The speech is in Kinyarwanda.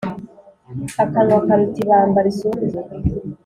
akanwa karura ibamba risumbye